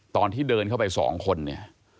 ตอนที่เดินเข้าไปสองคนเนี่ย